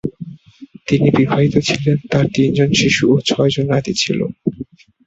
তিনি বিবাহিত ছিলেন; তাঁর তিনজন শিশু ও ছয়জন নাতি ছিল।